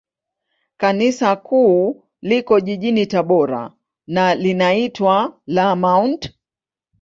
Kanisa Kuu liko jijini Tabora, na linaitwa la Mt.